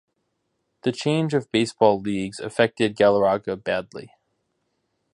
The change of baseball leagues affected Galarraga badly.